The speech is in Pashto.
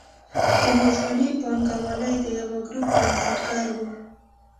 د موډرنې بانکوالۍ د یوه ګروپ بنسټګر و.